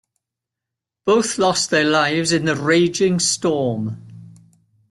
Both lost their lives in the raging storm.